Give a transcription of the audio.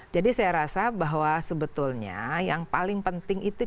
jadi saya rasa bahwa sebetulnya yang paling penting itu kita